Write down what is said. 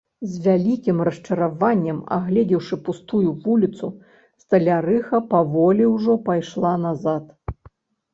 З вялікім расчараваннем, агледзеўшы пустую вуліцу, сталярыха паволі ўжо пайшла назад.